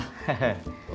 belum bawa apa kamu segera